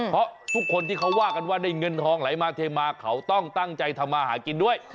เพราะทุกคนที่เขาว่ากันว่าได้เงินทองไหลมาเทมาเขาต้องตั้งใจทำมาหากินด้วย